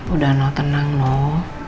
udah noh tenang noh